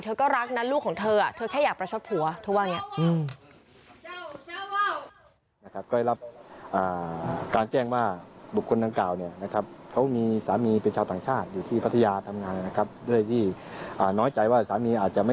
ก็รักนะลูกของเธอเธอแค่อยากประชดผัวเธอว่าอย่างนี้